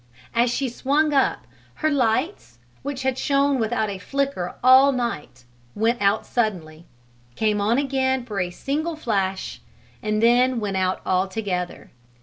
As she swung up, her lights, which had shone without a flicker all night, went out suddenly, came on again for a single flash, then went out altogether.